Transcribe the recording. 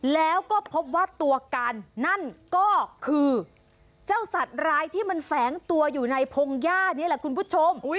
แล้วก็พบว่าตัวการนั่นก็คือเจ้าสัตว์ร้ายที่มันแฝงตัวอยู่ในพงหญ้านี่แหละคุณผู้ชม